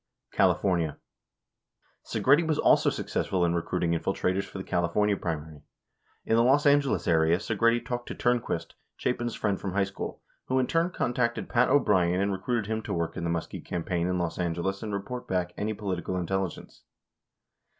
55 California: Segretti was also successful in recruiting infiltrators for the California primary. In the Los Angeles area, Segretti talked .to Turnquist, Chapin's friend from high school, who in turn contacted Pat O'Brien and recruited him to work in the Muskie campaign in Los Angeles and report back any political intelligence.